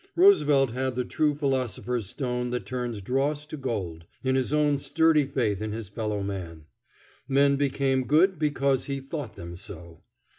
Roosevelt had the true philosopher's stone that turns dross to gold, in his own sturdy faith in his fellow man. Men became good because he thought them so.